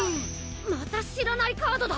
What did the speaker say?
また知らないカードだ！